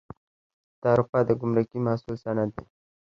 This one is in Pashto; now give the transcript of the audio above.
تعرفه د ګمرکي محصول سند دی